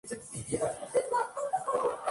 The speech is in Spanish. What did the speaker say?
Es una amiga de Sana y la novia de Tsuyoshi.